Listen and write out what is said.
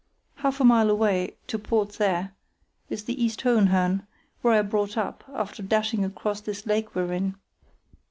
Half a mile away—to port there—is the East Hohenhörn, where I brought up, after dashing across this lake we're in.